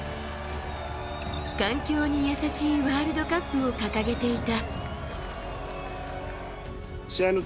環境に優しいワールドカップを掲げていた。